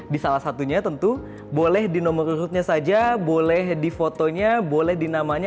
di salah satunya tentu boleh di nomor urutnya saja boleh di fotonya boleh di namanya